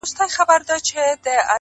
یوه ورځ پاچا وو غلی ورغلی-